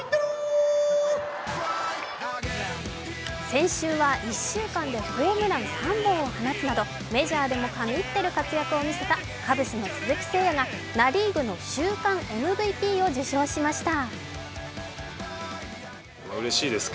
先週は１週間でホームラン３本を放つなどメジャーでも神ってる活躍を見せたカブスの鈴木誠也がナ・リーグの週間ＭＶＰを受賞しました。